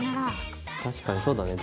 確かにそうだね